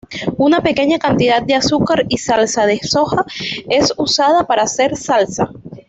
Una pequeña cantidad de azúcar y salsa de soja es usada para hacer salsa.